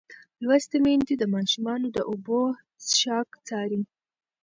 لوستې میندې د ماشومانو د اوبو څښاک څاري.